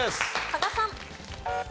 加賀さん。